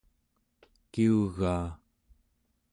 kiugaa